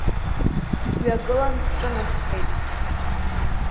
Сҩагылан сҿынасхеит.